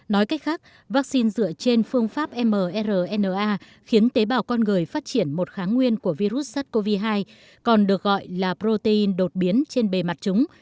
nói cách khác vaccine dựa trên phương pháp mrna khiến tế bào con người phát triển một kháng nguyên của virus sars cov hai còn được gọi là protein đột biến trên bề mặt chúng